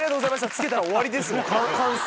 付けたら終わりです完成。